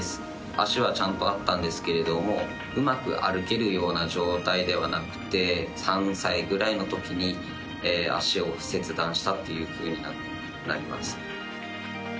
足は、ちゃんとあったんですけれどもうまく歩ける状態ではなくて３歳ぐらいのときに足を切断したというふうになります。